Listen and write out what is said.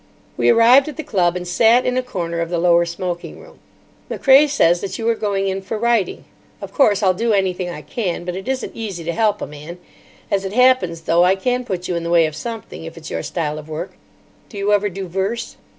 We arrived at the Club, and sat in a corner of the lower smoking room. "Macrae says that you are going in for writing. Of course, I'll do anything I can, but it isn't easy to help a man. As it happens, though, I can put you in the way of something, if it's your style of work. Do you ever do verse?"